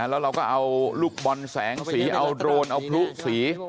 แล้วเราก็เอาลูกบอลแสงสีเอาโดรนเอาพลุสี